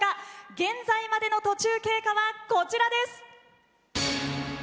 現在までの途中経過はこちらです。